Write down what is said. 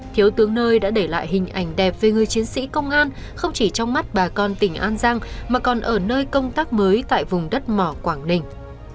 thiếu tướng nơi đã để lại hình ảnh đẹp về người chiến sĩ công an không chỉ trong mắt bà con tỉnh an giang mà còn ở nơi công tác mới tại vùng đất mỏ quảng ninh